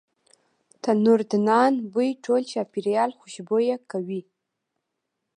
تنوردنان بوی ټول چاپیریال خوشبویه کوي.